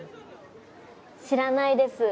知らないです